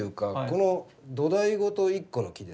この土台ごと一個の木です。